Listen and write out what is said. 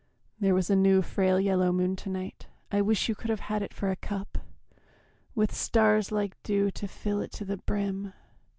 ... There was a new frail yellow moon to night I wish you could have had it for a cup With stars like dew to fill it to the brim.